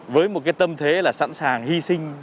với một cái tâm thế là sẵn sàng hy sinh cái hạnh phúc cá nhân